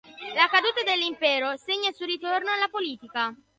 La caduta dell'Impero segna il suo ritorno alla politica.